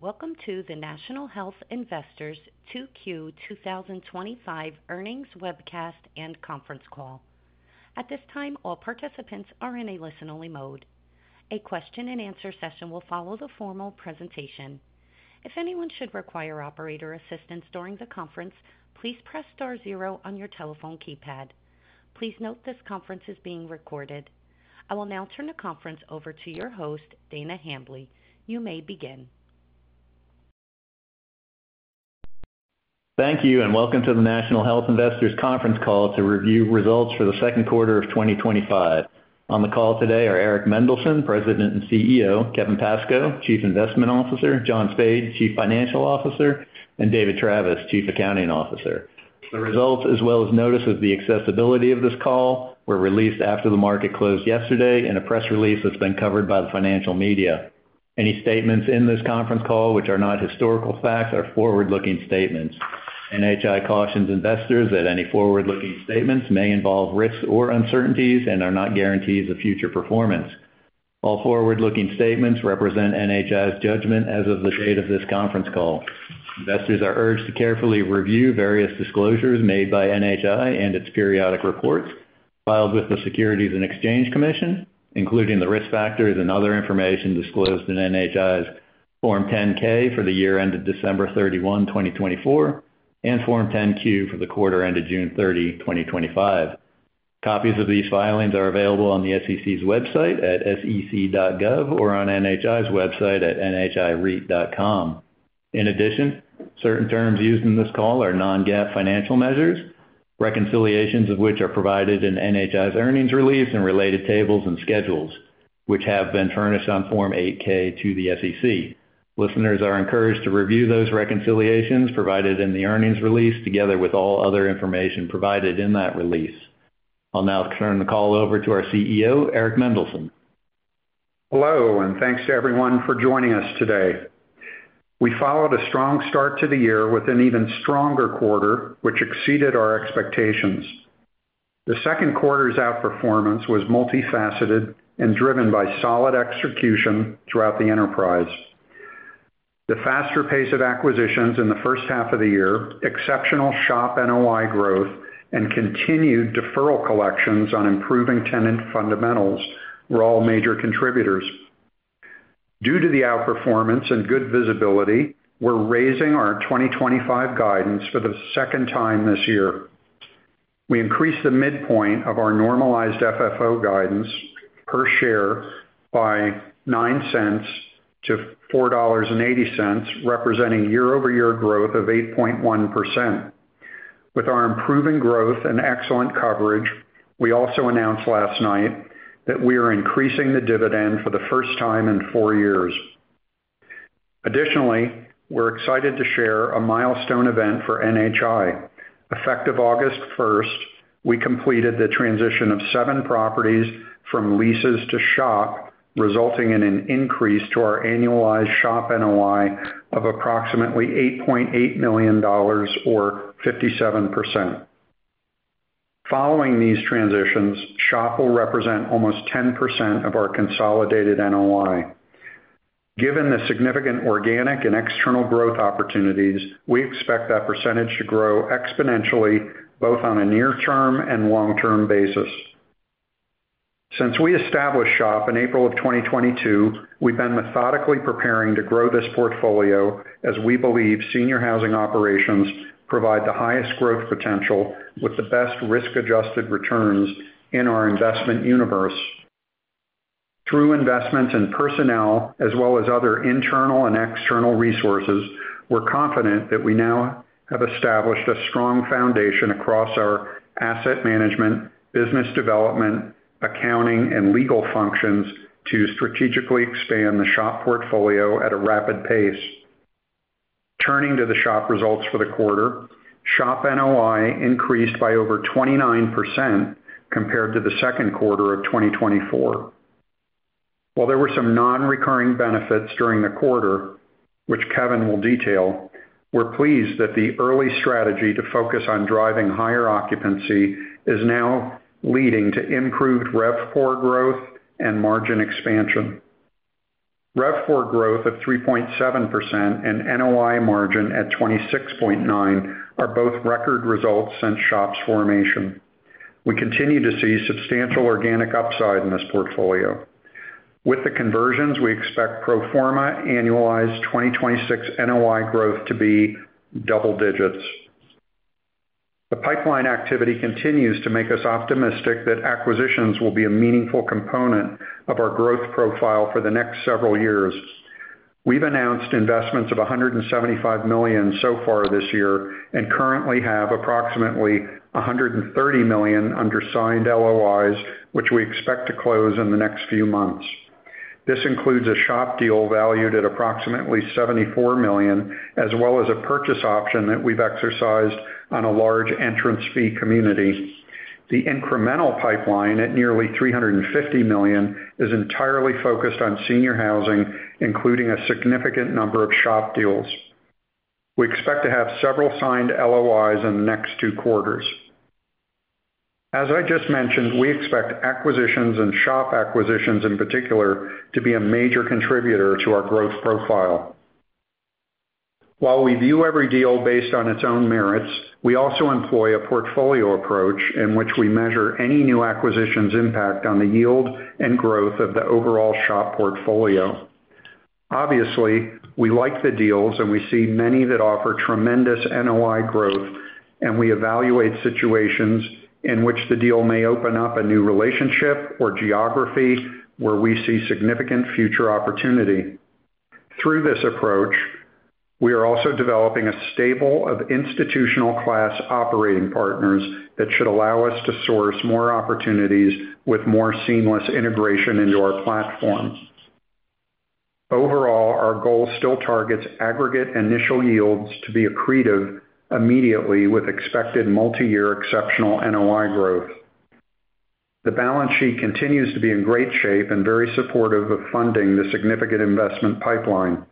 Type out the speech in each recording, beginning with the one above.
Welcome to the National Health Investors 2Q 2025 Earnings Webcast and Conference Call. At this time, all participants are in a listen-only mode. A question-and-answer session will follow the formal presentation. If anyone should require operator assistance during the conference, please press star zero on your telephone keypad. Please note this conference is being recorded. I will now turn the conference over to your host, Dana Hambly. You may begin. Thank you, and welcome to the National Health Investors Conference Call to review results for the second quarter of 2025. On the call today are Eric Mendelsohn, President and CEO, Kevin Pascoe, Chief Investment Officer, John Spaid, Chief Financial Officer, and David Travis, Chief Accounting Officer. The results, as well as notice of the accessibility of this call, were released after the market closed yesterday in a press release that's been covered by the financial media. Any statements in this conference call, which are not historical facts, are forward-looking statements. NHI cautions investors that any forward-looking statements may involve risks or uncertainties and are not guarantees of future performance. All forward-looking statements represent NHI's judgment as of the date of this conference call. Investors are urged to carefully review various disclosures made by NHI and its periodic reports filed with the Securities and Exchange Commission, including the risk factors and other information disclosed in NHI's Form 10-K for the year ended December 31, 2024, and Form 10-Q for the quarter ended June 30, 2025. Copies of these filings are available on the SEC's website at sec.gov or on NHI's website at nhireit.com. In addition, certain terms used in this call are non-GAAP financial measures, reconciliations of which are provided in NHI's earnings release and related tables and schedules, which have been furnished on Form 8-K to the SEC. Listeners are encouraged to review those reconciliations provided in the earnings release together with all other information provided in that release. I'll now turn the call over to our CEO, Eric Mendelsohn. Hello, and thanks to everyone for joining us today. We followed a strong start to the year with an even stronger quarter, which exceeded our expectations. The second quarter's outperformance was multifaceted and driven by solid execution throughout the enterprise. The faster pace of acquisitions in the first half of the year, exceptional SHOP NOI growth, and continued deferral collections on improving tenant fundamentals were all major contributors. Due to the outperformance and good visibility, we're raising our 2025 guidance for the second time this year. We increased the midpoint of our normalized FFO guidance per share by $0.09 to $4.80, representing year-over-year growth of 8.1%. With our improving growth and excellent coverage, we also announced last night that we are increasing the dividend for the first time in four years. Additionally, we're excited to share a milestone event for NHI. Effective August 1st, we completed the transition of seven properties from leases to SHOP, resulting in an increase to our annualized SHOP NOI of approximately $8.8 million or 57%. Following these transitions, SHOP will represent almost 10% of our consolidated NOI. Given the significant organic and external growth opportunities, we expect that percentage to grow exponentially both on a near-term and long-term basis. Since we established SHOP in April of 2022, we've been methodically preparing to grow this portfolio as we believe senior housing operations provide the highest growth potential with the best risk-adjusted returns in our investment universe. Through investments in personnel, as well as other internal and external resources, we're confident that we now have established a strong foundation across our asset management, business development, accounting, and legal functions to strategically expand the SHOP portfolio at a rapid pace. Turning to the SHOP results for the quarter, SHOP NOI increased by over 29% compared to the second quarter of 2024. While there were some non-recurring benefits during the quarter, which Kevin will detail, we're pleased that the early strategy to focus on driving higher occupancy is now leading to improved RevPOR growth and margin expansion. RevPOR growth of 3.7% and NOI margin at 26.9% are both record results since SHOP's formation. We continue to see substantial organic upside in this portfolio. With the conversions, we expect pro forma annualized 2026 NOI growth to be double digits. The pipeline activity continues to make us optimistic that acquisitions will be a meaningful component of our growth profile for the next several years. We've announced investments of $175 million so far this year and currently have approximately $130 million undersigned LOIs, which we expect to close in the next few months. This includes a SHOP deal valued at approximately $74 million, as well as a purchase option that we've exercised on a large entrance fee community. The incremental pipeline at nearly $350 million is entirely focused on senior housing, including a significant number of SHOP deals. We expect to have several signed LOIs in the next two quarters. As I just mentioned, we expect acquisitions and SHOP acquisitions in particular to be a major contributor to our growth profile. While we view every deal based on its own merits, we also employ a portfolio approach in which we measure any new acquisition's impact on the yield and growth of the overall SHOP portfolio. Obviously, we like the deals and we see many that offer tremendous NOI growth, and we evaluate situations in which the deal may open up a new relationship or geography where we see significant future opportunity. Through this approach, we are also developing a stable of institutional class operating partners that should allow us to source more opportunities with more seamless integration into our platform. Overall, our goal still targets aggregate initial yields to be accretive immediately with expected multi-year exceptional NOI growth. The balance sheet continues to be in great shape and very supportive of funding the significant investment pipeline.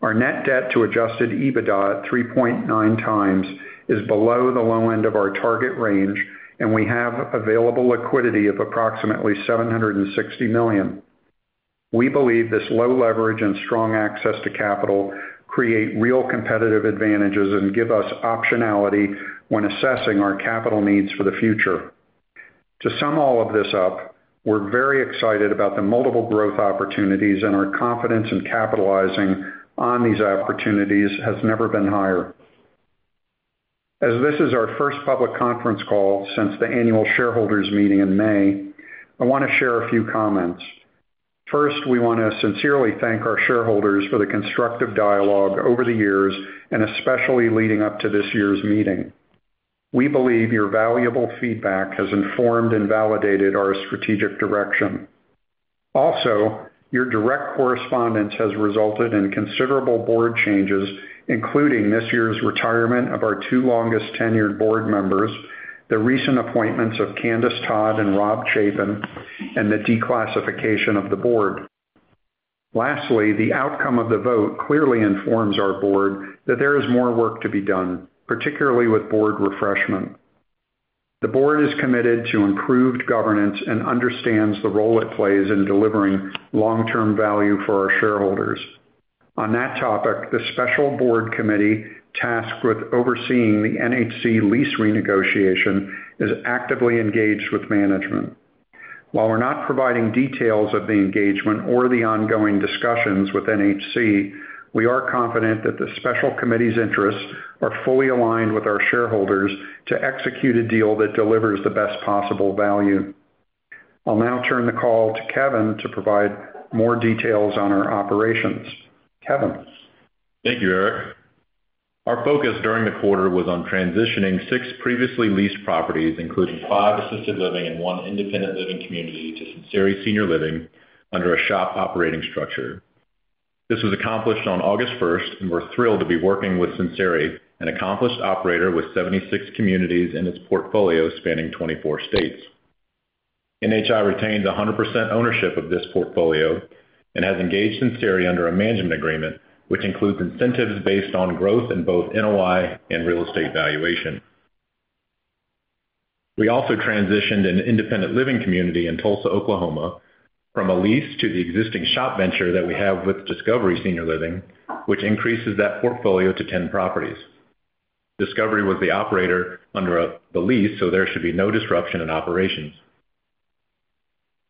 Our net debt to adjusted EBITDA at 3.9x is below the low end of our target range, and we have available liquidity of approximately $760 million. We believe this low leverage and strong access to capital create real competitive advantages and give us optionality when assessing our capital needs for the future. To sum all of this up, we're very excited about the multiple growth opportunities and our confidence in capitalizing on these opportunities has never been higher. As this is our first public conference call since the annual shareholders' meeting in May, I want to share a few comments. First, we want to sincerely thank our shareholders for the constructive dialogue over the years and especially leading up to this year's meeting. We believe your valuable feedback has informed and validated our strategic direction. Also, your direct correspondence has resulted in considerable Board changes, including this year's retirement of our two longest tenured Board members, the recent appointments of Candice Todd and Rob Chapin, and the declassification of the Board. Lastly, the outcome of the vote clearly informs our Board that there is more work to be done, particularly with Board refreshment. The Board is committed to improved governance and understands the role it plays in delivering long-term value for our shareholders. On that topic, the special board committee tasked with overseeing the NHC master lease renegotiation is actively engaged with management. While we're not providing details of the engagement or the ongoing discussions with NHC, we are confident that the special committee's interests are fully aligned with our shareholders to execute a deal that delivers the best possible value. I'll now turn the call to Kevin to provide more details on our operations. Kevin. Thank you, Eric. Our focus during the quarter was on transitioning six previously leased properties, including five assisted living and one independent living community, to Sinceri Senior Living under a SHOP operating structure. This was accomplished on August 1st, and we're thrilled to be working with Sinceri, an accomplished operator with 76 communities in its portfolio spanning 24 states. NHI retains 100% ownership of this portfolio and has engaged Sinceri under a management agreement, which includes incentives based on growth in both NOI and real estate valuation. We also transitioned an independent living community in Tulsa, Oklahoma, from a lease to the existing SHOP venture that we have with Discovery Senior Living, which increases that portfolio to 10 properties. Discovery was the operator under the lease, so there should be no disruption in operations.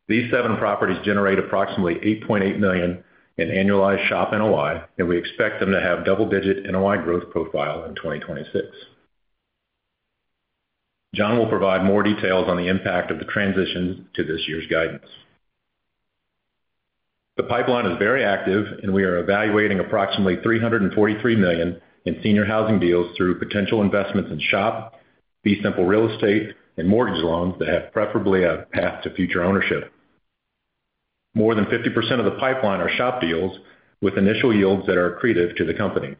These seven properties generate approximately $8.8 million in annualized SHOP NOI, and we expect them to have double-digit NOI growth profile in 2026. John will provide more details on the impact of the transition to this year's guidance. The pipeline is very active, and we are evaluating approximately $343 million in senior housing deals through potential investments in SHOP, B Simple real estate, and mortgage loans that have preferably a path to future ownership. More than 50% of the pipeline are SHOP deals with initial yields that are accretive to the company.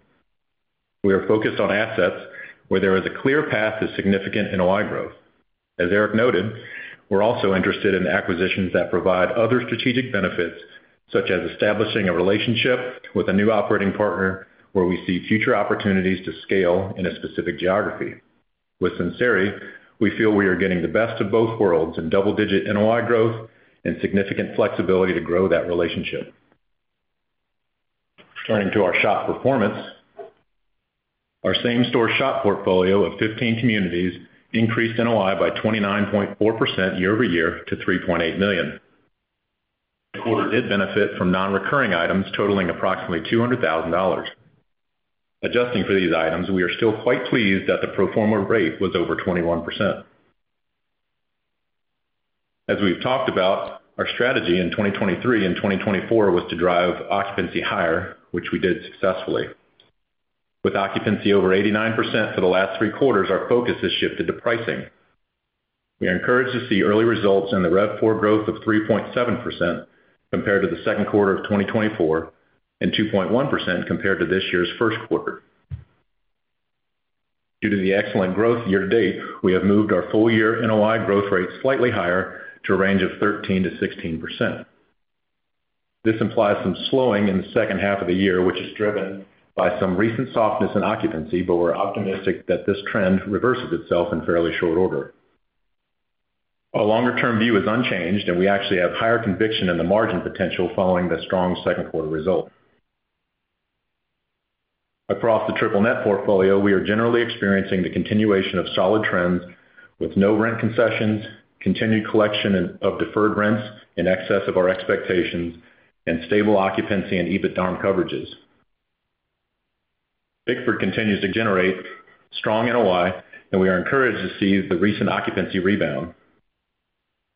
We are focused on assets where there is a clear path to significant NOI growth. As Eric noted, we're also interested in acquisitions that provide other strategic benefits, such as establishing a relationship with a new operating partner where we see future opportunities to scale in a specific geography. With Sinceri, we feel we are getting the best of both worlds in double-digit NOI growth and significant flexibility to grow that relationship. Turning to our SHOP performance, our same-store SHOP portfolio of 15 communities increased NOI by 29.4% year-over-year to $3.8 million. We did benefit from non-recurring items totaling approximately $200,000. Adjusting for these items, we are still quite pleased that the pro forma rate was over 21%. As we've talked about, our strategy in 2023 and 2024 was to drive occupancy higher, which we did successfully. With occupancy over 89% for the last three quarters, our focus has shifted to pricing. We are encouraged to see early results in the RevPOR growth of 3.7% compared to the second quarter of 2024 and 2.1% compared to this year's first quarter. Due to the excellent growth year to date, we have moved our full-year NOI growth rate slightly higher to a range of 13%-16%. This implies some slowing in the second half of the year, which is driven by some recent softness in occupancy, but we're optimistic that this trend reverses itself in fairly short order. Our longer-term view is unchanged, and we actually have higher conviction in the margin potential following the strong second quarter result. Across the triple net portfolio, we are generally experiencing the continuation of solid trends with no rent concessions, continued collection of deferred rents in excess of our expectations, and stable occupancy and EBITDA arm coverages. Bickford continues to generate strong NOI, and we are encouraged to see the recent occupancy rebound.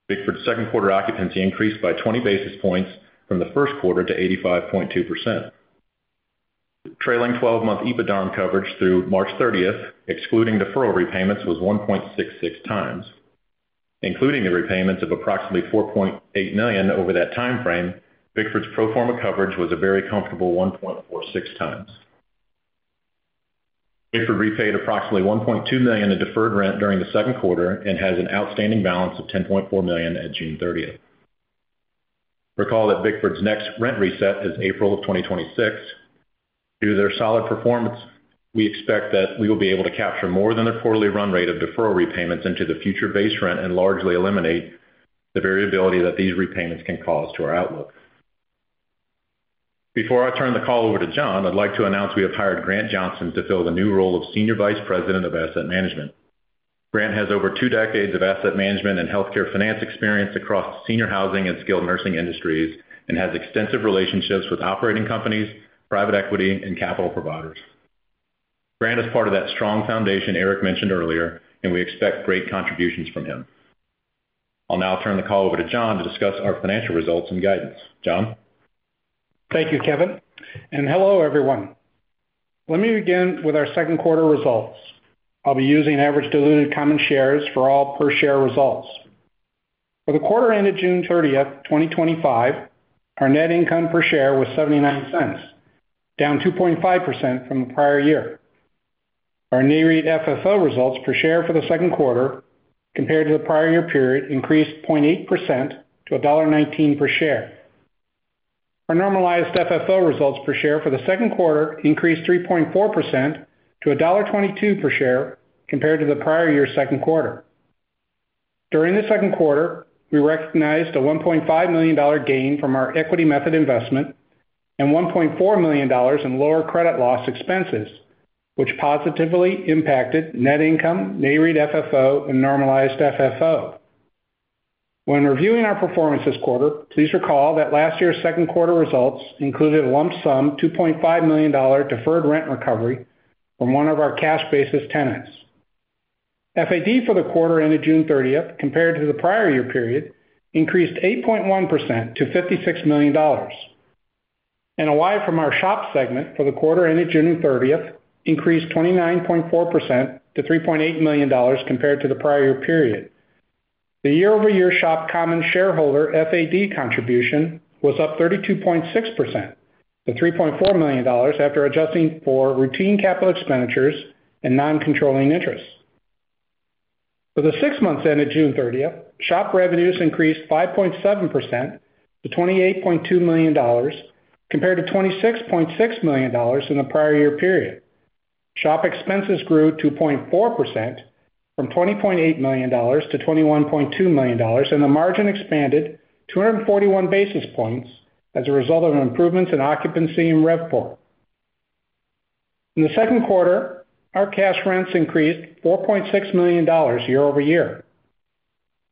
Bickford's second quarter occupancy increased by 20 basis points from the first quarter to 85.2%. Trailing 12-month EBITDA arm coverage through March 30th, excluding deferral repayments, was 1.666x. Including the repayments of approximately $4.8 million over that timeframe, Bickford's pro forma coverage was a very comfortable 1.46x. Bickford repaid approximately $1.2 million in deferred rent during the second quarter and has an outstanding balance of $10.4 million at June 30th. Recall that Bickford's next rent reset is April of 2026. Due to their solid performance, we expect that we will be able to capture more than the quarterly run rate of deferral repayments into the future base rent and largely eliminate the variability that these repayments can cause to our outlook. Before I turn the call over to John, I'd like to announce we have hired Grant Johnson to fill the new role of Senior Vice President of Asset Management. Grant has over two decades of asset management and healthcare finance experience across senior housing and skilled nursing industries and has extensive relationships with operating companies, private equity, and capital providers. Grant is part of that strong foundation Eric mentioned earlier, and we expect great contributions from him. I'll now turn the call over to John to discuss our financial results and guidance. John? Thank you, Kevin, and hello everyone. Let me begin with our second quarter results. I'll be using average diluted common shares for all per share results. For the quarter ended June 30th, 2025, our net income per share was $0.79, down 2.5% from the prior year. Our NAREIT FFO results per share for the second quarter, compared to the prior year period, increased 0.8% to $1.19 per share. Our normalized FFO results per share for the second quarter increased 3.4% to $1.22 per share, compared to the prior year's second quarter. During the second quarter, we recognized a $1.5 million gain from our equity method investment and $1.4 million in lower credit loss expenses, which positively impacted net income, NAREIT FFO, and normalized FFO. When reviewing our performance this quarter, please recall that last year's second quarter results included a lump sum $2.5 million deferred rent recovery from one of our cash basis tenants. FAD for the quarter ended June 30th, compared to the prior year period, increased 8.1% to $56 million. NOI from our SHOP segment for the quarter ended June 30th increased 29.4% to $3.8 million compared to the prior year period. The year-over-year SHOP common shareholder FAD contribution was up 32.6% to $3.4 million after adjusting for routine capital expenditures and non-controlling interests. For the six months ended June 30th, SHOP revenues increased 5.7% to $28.2 million compared to $26.6 million in the prior year period. SHOP expenses grew 2.4% from $20.8 million to $21.2 million, and the margin expanded 241 basis points as a result of improvements in occupancy and RevPOR. In the second quarter, our cash rents increased $4.6 million year-over-year.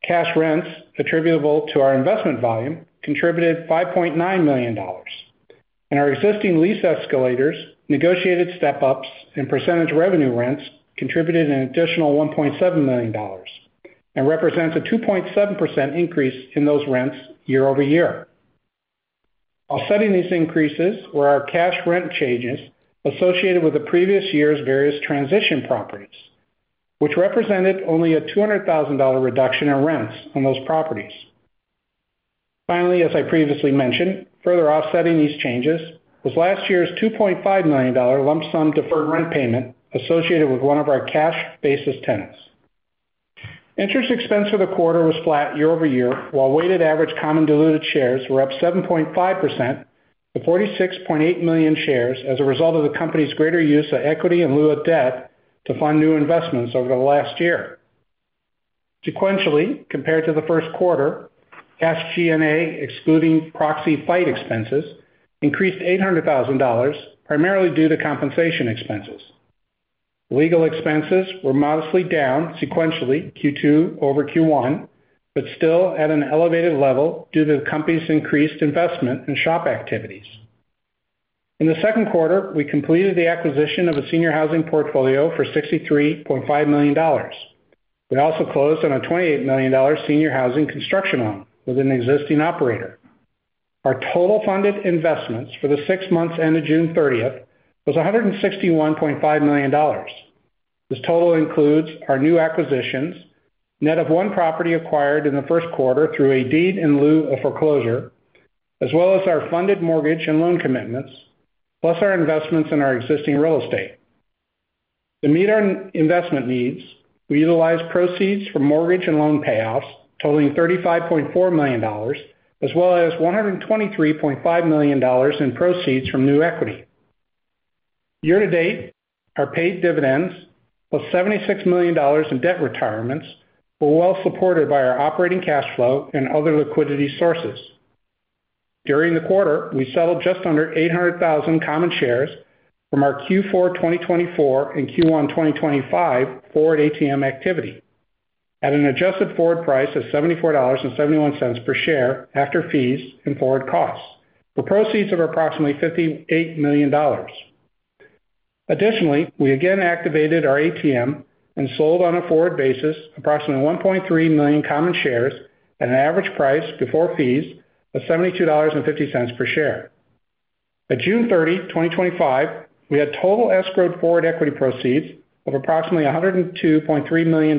Cash rents attributable to our investment volume contributed $5.9 million, and our existing lease escalators, negotiated step-ups, and percentage revenue rents contributed an additional $1.7 million and represent a 2.7% increase in those rents year-over-year. Offsetting these increases were our cash rent changes associated with the previous year's various transition properties, which represented only a $200,000 reduction in rents on those properties. Finally, as I previously mentioned, further offsetting these changes was last year's $2.5 million lump sum deferred rent payment associated with one of our cash basis tenants. Interest expense for the quarter was flat year-over-year, while weighted average common diluted shares were up 7.5% to 46.8 million shares as a result of the company's greater use of equity in lieu of debt to fund new investments over the last year. Sequentially, compared to the first quarter, SG&A, excluding proxy fight expenses, increased $800,000 primarily due to compensation expenses. Legal expenses were modestly down sequentially Q2 over Q1, but still at an elevated level due to the company's increased investment in SHOP activities. In the second quarter, we completed the acquisition of a senior housing portfolio for $63.5 million. We also closed on a $28 million senior housing construction loan with an existing operator. Our total funded investments for the six months ended June 30th was $161.5 million. This total includes our new acquisitions, net of one property acquired in the first quarter through a deed in lieu of foreclosure, as well as our funded mortgage and loan commitments, plus our investments in our existing real estate. To meet our investment needs, we utilized proceeds from mortgage and loan payouts totaling $35.4 million, as well as $123.5 million in proceeds from new equity. Year to date, our paid dividends plus $76 million in debt retirements were well supported by our operating cash flow and other liquidity sources. During the quarter, we settled just under 800,000 common shares from our Q4 2024 and Q1 2025 forward ATM activity at an adjusted forward price of $74.71 per share after fees and forward costs for proceeds of approximately $58 million. Additionally, we again activated our ATM and sold on a forward basis approximately 1.3 million common shares at an average price before fees of $72.50 per share. By June 30, 2025, we had total escrowed forward equity proceeds of approximately $102.3 million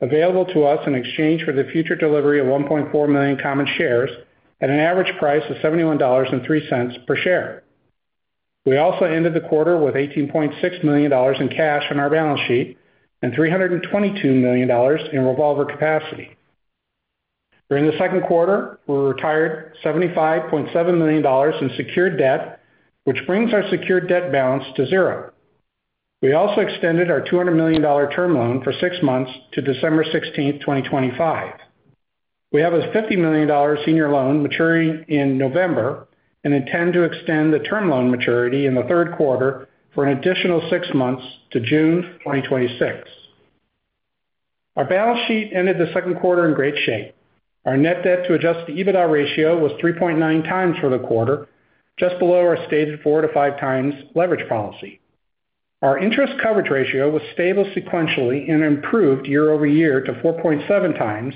available to us in exchange for the future delivery of 1.4 million common shares at an average price of $71.03 per share. We also ended the quarter with $18.6 million in cash on our balance sheet and $322 million in revolver capacity. During the second quarter, we retired $75.7 million in secured debt, which brings our secured debt balance to zero. We also extended our $200 million term loan for six months to December 16, 2025. We have a $50 million senior loan maturing in November and intend to extend the term loan maturity in the third quarter for an additional six months to June 2026. Our balance sheet ended the second quarter in great shape. Our net debt to adjusted EBITDA ratio was 3.9x for the quarter, just below our stated 4x-5x leverage policy. Our interest coverage ratio was stable sequentially and improved year-over-year to 4.7x,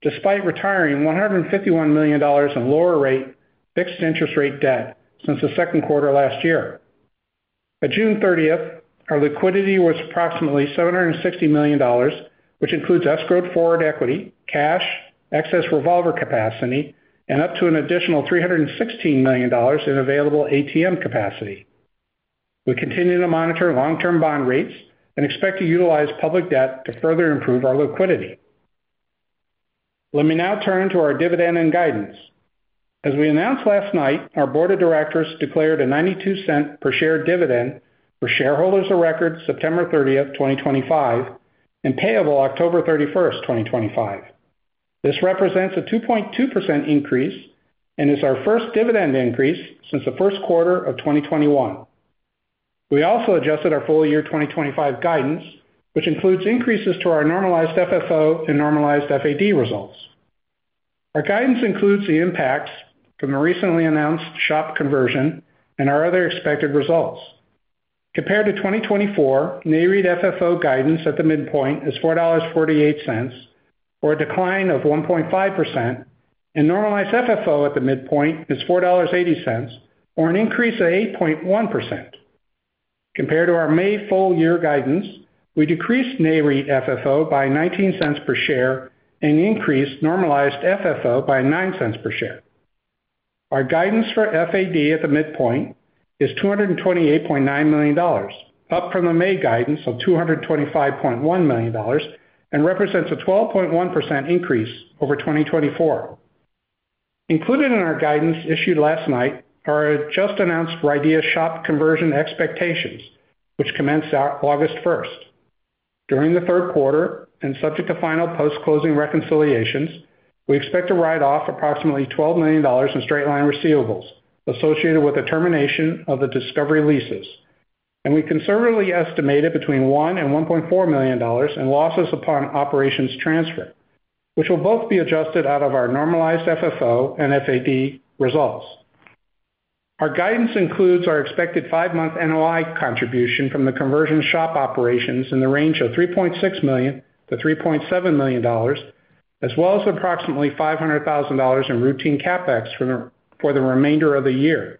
despite retiring $151 million in lower rate fixed interest rate debt since the second quarter last year. By June 30, our liquidity was approximately $760 million, which includes escrowed forward equity, cash, excess revolver capacity, and up to an additional $316 million in available ATM capacity. We continue to monitor long-term bond rates and expect to utilize public debt to further improve our liquidity. Let me now turn to our dividend and guidance. As we announced last night, our Board of Directors declared a $0.92 per share dividend for shareholders of record September 30th, 2025, and payable October 31st, 2025. This represents a 2.2% increase and is our first dividend increase since the first quarter of 2021. We also adjusted our full-year 2025 guidance, which includes increases to our normalized FFO and normalized FAD results. Our guidance includes the impacts from the recently announced SHOP conversion and our other expected results. Compared to 2024, NAREIT FFO guidance at the midpoint is $4.48, or a decline of 1.5%, and normalized FFO at the midpoint is $4.80, or an increase of 8.1%. Compared to our May full-year guidance, we decreased NAREIT FFO by $0.19 per share and increased normalized FFO by $0.09 per share. Our guidance for FAD at the midpoint is $228.9 million, up from the May guidance of $225.1 million and represents a 12.1% increase over 2024. Included in our guidance issued last night are our just-announced RIDEA SHOP conversion expectations, which commenced August 1st. During the third quarter and subject to final post-closing reconciliations, we expect to write off approximately $12 million in straight line receivables associated with the termination of the Discovery leases, and we conservatively estimate between $1 million and $1.4 million in losses upon operations transfer, which will both be adjusted out of our normalized FFO and FAD results. Our guidance includes our expected five-month NOI contribution from the conversion SHOP operations in the range of $3.6 million-$3.7 million, as well as approximately $500,000 in routine CapEx for the remainder of the year.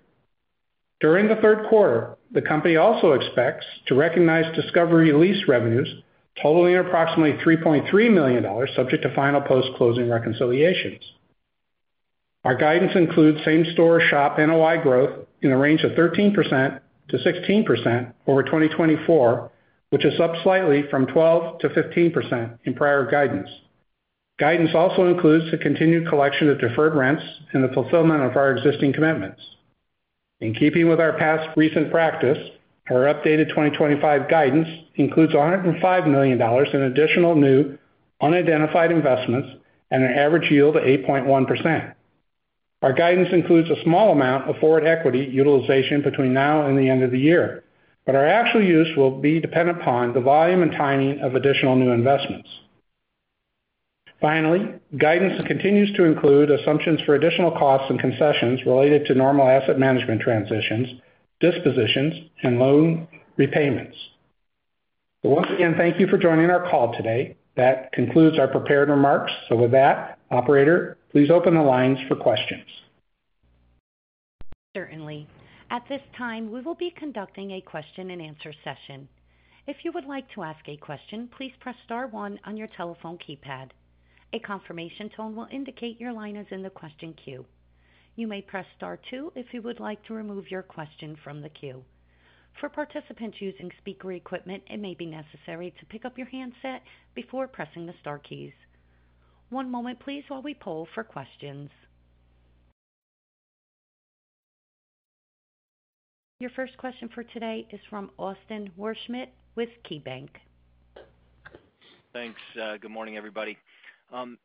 During the third quarter, the company also expects to recognize Discovery lease revenues totaling approximately $3.3 million, subject to final post-closing reconciliations. Our guidance includes same-store SHOP NOI growth in a range of 13%-16% over 2024, which is up slightly from 12%-15% in prior guidance. Guidance also includes a continued collection of deferred rents and the fulfillment of our existing commitments. In keeping with our past recent practice, our updated 2025 guidance includes $105 million in additional new unidentified investments and an average yield of 8.1%. Our guidance includes a small amount of forward equity utilization between now and the end of the year, but our actual use will be dependent upon the volume and timing of additional new investments. Finally, guidance continues to include assumptions for additional costs and concessions related to normal asset management transitions, dispositions, and loan repayments. Once again, thank you for joining our call today. That concludes our prepared remarks. With that, operator, please open the lines for questions. Certainly. At this time, we will be conducting a question-and-answer session. If you would like to ask a question, please press star one on your telephone keypad. A confirmation tone will indicate your line is in the question queue. You may press star two if you would like to remove your question from the queue. For participants using speaker equipment, it may be necessary to pick up your handset before pressing the star keys. One moment, please, while we poll for questions. Your first question for today is from Austin Wurschmidt with KeyBanc. Thanks. Good morning, everybody.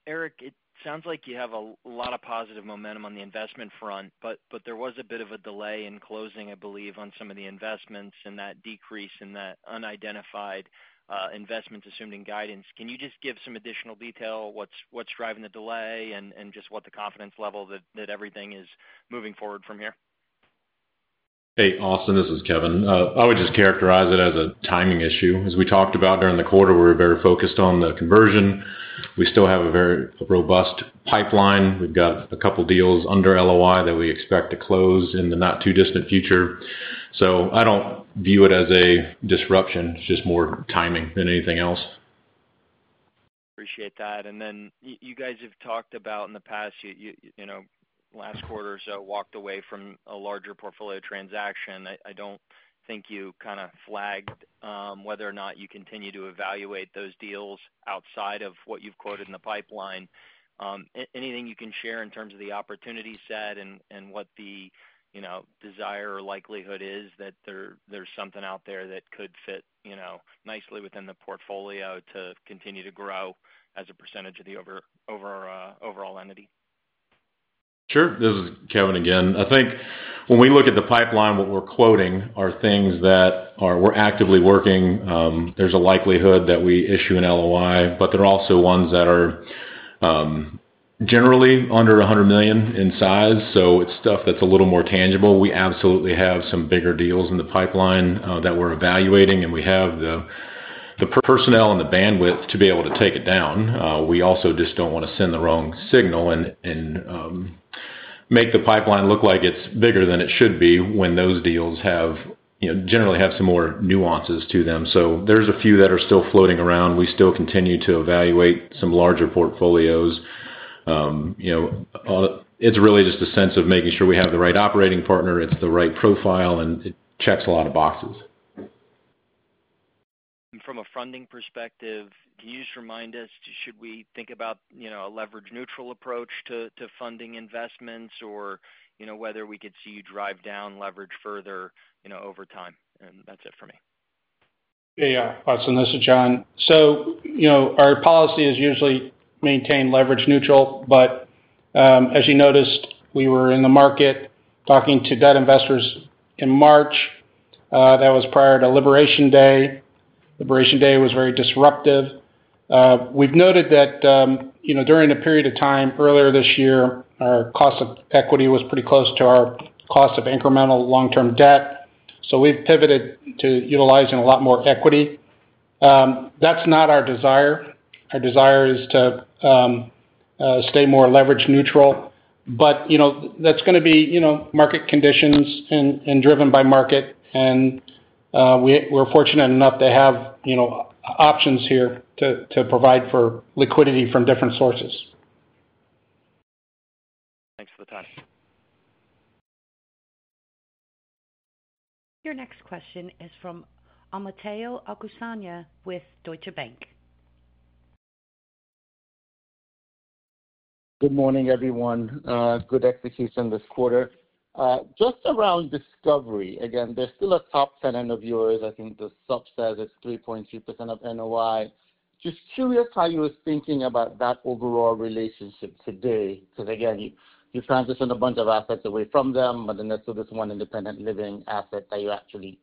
Eric, it sounds like you have a lot of positive momentum on the investment front, but there was a bit of a delay in closing, I believe, on some of the investments and that decrease in that unidentified investment assumed in guidance. Can you just give some additional detail? What's driving the delay and just what the confidence level that everything is moving forward from here? Hey, Austin, this is Kevin. I would just characterize it as a timing issue. As we talked about during the quarter, we were very focused on the conversion. We still have a very robust pipeline. We've got a couple of deals under LOI that we expect to close in the not-too-distant future. I don't view it as a disruption. It's just more timing than anything else. Appreciate that. You guys have talked about in the past, you know, last quarter or so, walked away from a larger portfolio transaction. I don't think you kind of flagged whether or not you continue to evaluate those deals outside of what you've quoted in the pipeline. Anything you can share in terms of the opportunity set and what the, you know, desire or likelihood is that there's something out there that could fit, you know, nicely within the portfolio to continue to grow as a percentage of the overall entity? Sure. This is Kevin again. I think when we look at the pipeline, what we're quoting are things that we're actively working. There's a likelihood that we issue an LOI, but there are also ones that are generally under $100 million in size. It's stuff that's a little more tangible. We absolutely have some bigger deals in the pipeline that we're evaluating, and we have the personnel and the bandwidth to be able to take it down. We also just don't want to send the wrong signal and make the pipeline look like it's bigger than it should be when those deals generally have some more nuances to them. There's a few that are still floating around. We still continue to evaluate some larger portfolios. It's really just a sense of making sure we have the right operating partner. It's the right profile, and it checks a lot of boxes. From a funding perspective, can you just remind us, should we think about a leverage-neutral approach to funding investments, or whether we could see you drive down leverage further over time? That's it for me. Yeah, Austin, this is John. Our policy is usually to maintain leverage neutral, but as you noticed, we were in the market talking to debt investors in March. That was prior to Liberation Day. Liberation Day was very disruptive. We've noted that during a period of time earlier this year, our cost of equity was pretty close to our cost of incremental long-term debt. We've pivoted to utilizing a lot more equity. That's not our desire. Our desire is to stay more leverage neutral. That's going to be market conditions and driven by market. We're fortunate enough to have options here to provide for liquidity from different sources. Thanks for the time. Your next question is from Omotayo Okusanya with Deutsche Bank. Good morning, everyone. Good execution this quarter. Just around Discovery, again, they're still a top tenant of yours. I think the sub says it's 3.2% of NOI. Just curious how you were thinking about that overall relationship today, because again, you transitioned a bunch of assets away from them, but then that's sort of this one independent living asset that you actually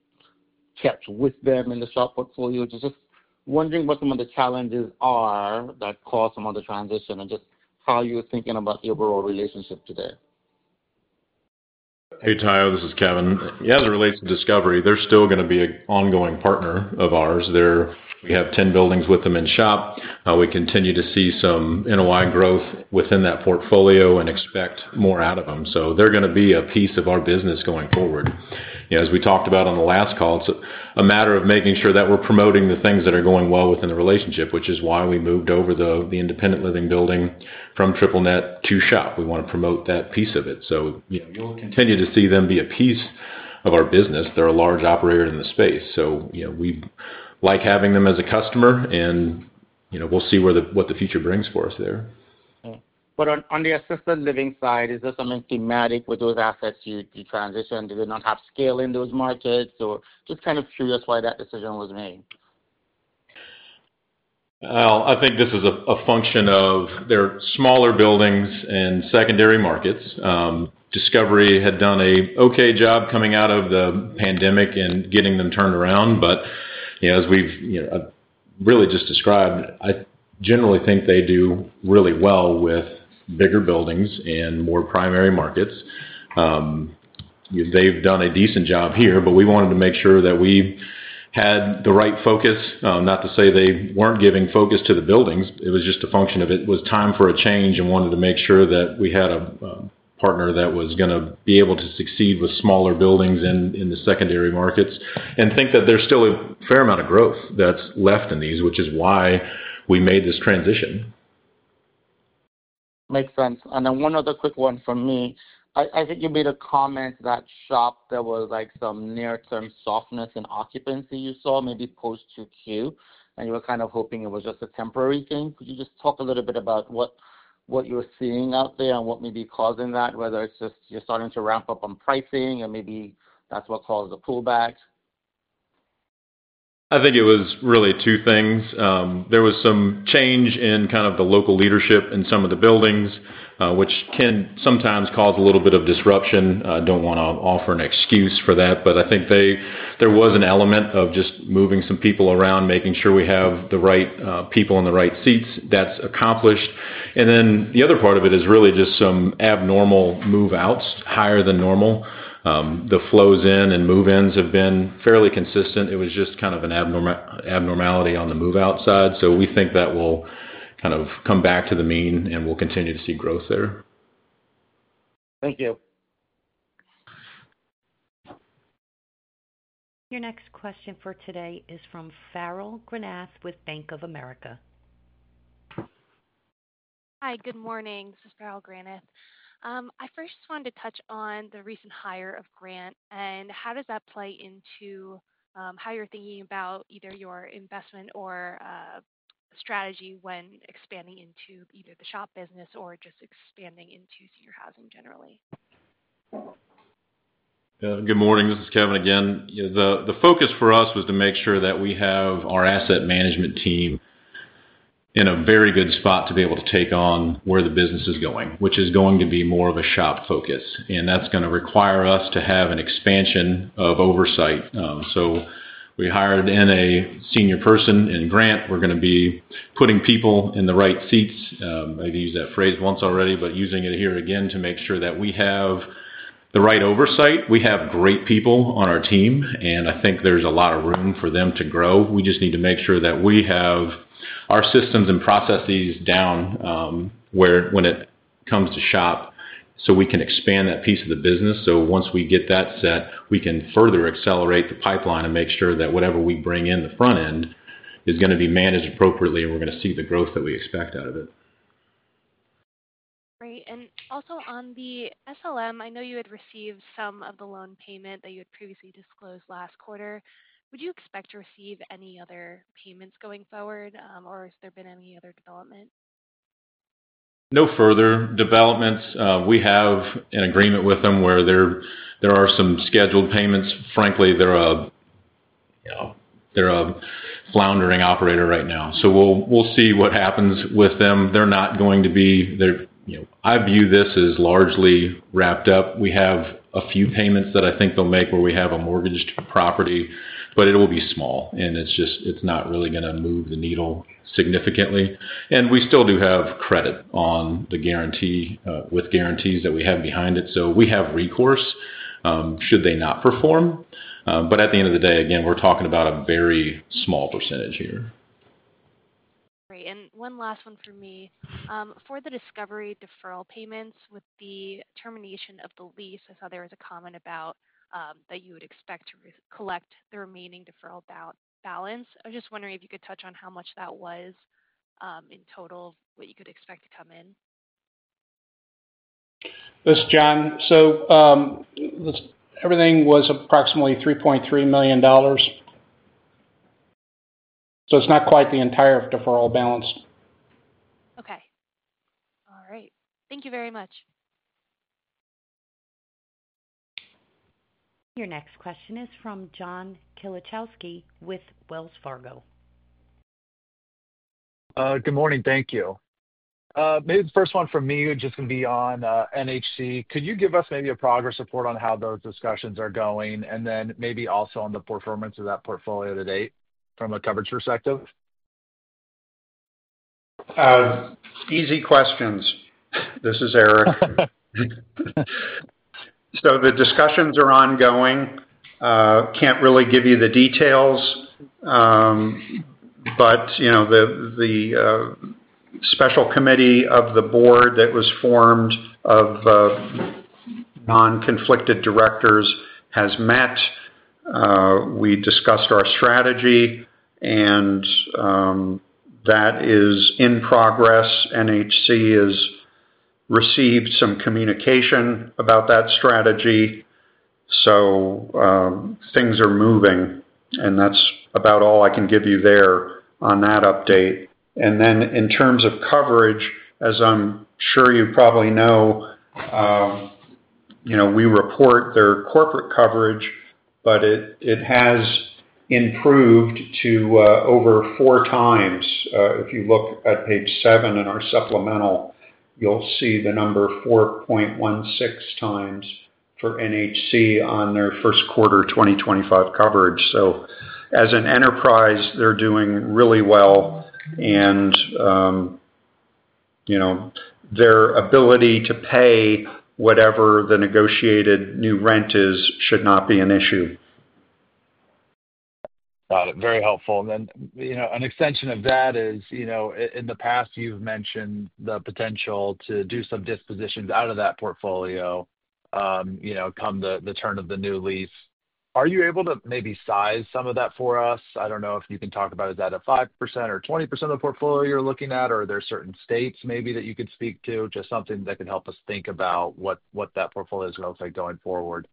kept with them in the SHOP portfolio. Just wondering what some of the challenges are that cause some of the transition and just how you're thinking about the overall relationship today. Hey, Tayo, this is Kevin. Yeah, as it relates to Discovery, they're still going to be an ongoing partner of ours. We have 10 buildings with them in SHOP. We continue to see some NOI growth within that portfolio and expect more out of them. They're going to be a piece of our business going forward. As we talked about on the last call, it's a matter of making sure that we're promoting the things that are going well within the relationship, which is why we moved over the independent living building from triple net to SHOP. We want to promote that piece of it. You'll continue to see them be a piece of our business. They're a large operator in the space. We like having them as a customer and we'll see what the future brings for us there. On the assisted living side, is there something thematic with those assets you transitioned? Do they not have scale in those markets? Just kind of curious why that decision was made. I think this is a function of their smaller buildings and secondary markets. Discovery had done an okay job coming out of the pandemic and getting them turned around. As we've really just described, I generally think they do really well with bigger buildings and more primary markets. They've done a decent job here, but we wanted to make sure that we had the right focus. Not to say they weren't giving focus to the buildings. It was just a function of it was time for a change and wanted to make sure that we had a partner that was going to be able to succeed with smaller buildings in the secondary markets. I think that there's still a fair amount of growth that's left in these, which is why we made this transition. Makes sense. One other quick one from me. I think you made a comment that SHOP, there was some near-term softness in occupancy you saw, maybe post 2Q, and you were kind of hoping it was just a temporary thing. Could you talk a little bit about what you were seeing out there and what may be causing that, whether it's just you're starting to ramp up on pricing and maybe that's what caused the pullback? I think it was really two things. There was some change in kind of the local leadership in some of the buildings, which can sometimes cause a little bit of disruption. I don't want to offer an excuse for that, but I think there was an element of just moving some people around, making sure we have the right people in the right seats. That's accomplished. The other part of it is really just some abnormal move-outs higher than normal. The flows in and move-ins have been fairly consistent. It was just kind of an abnormality on the move-out side. We think that will kind of come back to the mean and we'll continue to see growth there. Thank you. Your next question for today is from Farrell Granath with Bank of America. Hi, good morning. This is Farrell Granath. I first wanted to touch on the recent hire of Grant and how does that play into how you're thinking about either your investment or strategy when expanding into either the SHOP business or just expanding into senior housing generally? Good morning. This is Kevin again. The focus for us was to make sure that we have our asset management team in a very good spot to be able to take on where the business is going, which is going to be more of a SHOP focus. That is going to require us to have an expansion of oversight. We hired in a senior person in Grant. We are going to be putting people in the right seats. I have used that phrase once already, but using it here again to make sure that we have the right oversight. We have great people on our team, and I think there is a lot of room for them to grow. We just need to make sure that we have our systems and processes down when it comes to SHOP so we can expand that piece of the business. Once we get that set, we can further accelerate the pipeline and make sure that whatever we bring in the front end is going to be managed appropriately and we are going to see the growth that we expect out of it. Great. Also, on the SLM, I know you had received some of the loan payment that you had previously disclosed last quarter. Would you expect to receive any other payments going forward, or has there been any other development? No further developments. We have an agreement with them where there are some scheduled payments. Frankly, they're a floundering operator right now. We will see what happens with them. They're not going to be, I view this as largely wrapped up. We have a few payments that I think they'll make where we have a mortgaged property, but it will be small and it's not really going to move the needle significantly. We still do have credit on the guarantee with guarantees that we have behind it. We have recourse should they not perform. At the end of the day, again, we're talking about a very small percentage here. Great. One last one for me. For the Discovery deferral payments with the termination of the lease, I saw there was a comment about that you would expect to collect the remaining deferral balance. I was just wondering if you could touch on how much that was in total, what you could expect to come in. This is John. Everything was approximately $3.3 million. It's not quite the entire deferral balance. Okay. All right. Thank you very much. Your next question is from John Kilichowski with Wells Fargo. Good morning. Thank you. Maybe the first one for me would just be on NHC. Could you give us maybe a progress report on how those discussions are going, and then maybe also on the performance of that portfolio to date from a coverage perspective? Easy questions. This is Eric. The discussions are ongoing. Can't really give you the details, but the special committee of the Board that was formed of non-conflicted directors has met. We discussed our strategy, and that is in progress. NHC has received some communication about that strategy. Things are moving, and that's about all I can give you there on that update. In terms of coverage, as I'm sure you probably know, we report their corporate coverage, but it has improved to over four times. If you look at page seven in our supplemental, you'll see the number 4.16x for NHC on their first quarter 2025 coverage. As an enterprise, they're doing really well. Their ability to pay whatever the negotiated new rent is should not be an issue. Got it. Very helpful. An extension of that is, in the past, you've mentioned the potential to do some dispositions out of that portfolio come the turn of the new lease. Are you able to maybe size some of that for us? I don't know if you can talk about is that a 5% or 20% of the portfolio you're looking at, or are there certain states maybe that you could speak to? Just something that could help us think about what that portfolio is going forward.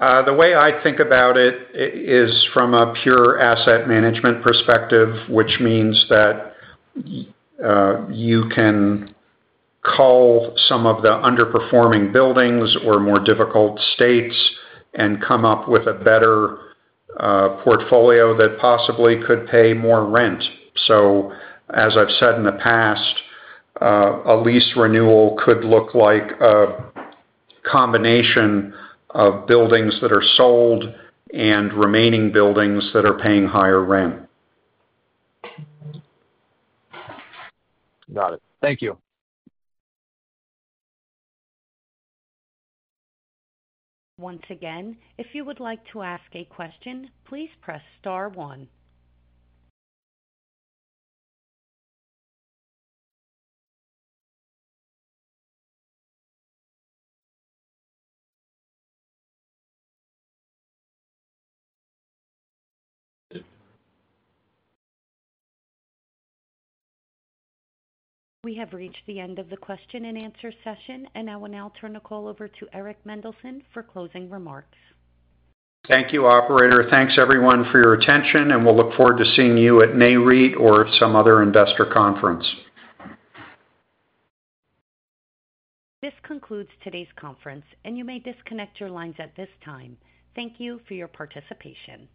The way I think about it is from a pure asset management perspective, which means that you can call some of the underperforming buildings or more difficult states and come up with a better portfolio that possibly could pay more rent. As I've said in the past, a lease renewal could look like a combination of buildings that are sold and remaining buildings that are paying higher rent. Got it. Thank you. Once again, if you would like to ask a question, please press star one. We have reached the end of the question and answer session, and I will now turn the call over to Eric Mendelsohn for closing remarks. Thank you, operator. Thanks, everyone, for your attention, and we'll look forward to seeing you at NAREIT or some other investor conference. This concludes today's conference, and you may disconnect your lines at this time. Thank you for your participation.